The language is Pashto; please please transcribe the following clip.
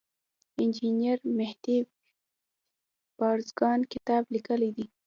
انجینیر مهدي بازرګان کتاب لیکلی دی.